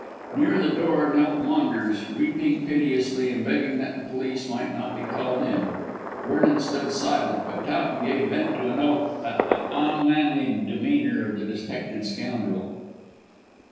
Near the door knelt Maunders, weeping piteously and begging that the police might not be called in. Vernon stood silent, but Towton gave vent to an oath at the unmanly demeanour of the detected scoundrel.